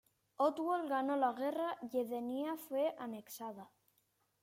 Outworld ganó la guerra y Edenia fue anexada.